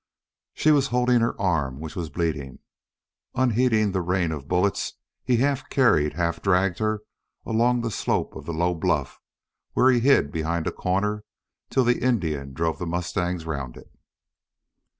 She was holding her arm, which was bleeding. Unheeding the rain of bullets, he half carried, half dragged her along the slope of the low bluff, where he hid behind a corner till the Indian drove the mustangs round it.